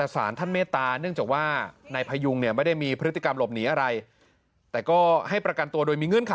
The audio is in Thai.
สารจังหวัดตราด